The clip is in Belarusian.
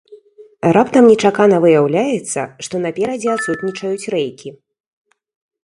Раптам нечакана выяўляецца, што наперадзе адсутнічаюць рэйкі.